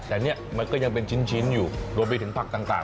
แต่เนี่ยมันก็ยังเป็นชิ้นอยู่รวมไปถึงผักต่าง